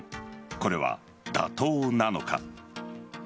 これは妥当なのか。